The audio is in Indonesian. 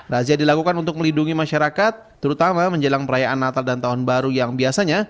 razia dilakukan untuk melindungi masyarakat terutama menjelang perayaan natal dan tahun baru yang biasanya